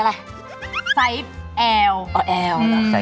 แล้วมันเป็นคนเอาเกนเกงไสต์อะไร